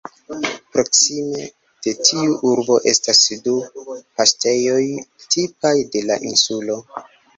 Proksime de tiu urbo estas du paŝtejoj tipaj de la insulo.